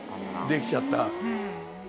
できちゃった。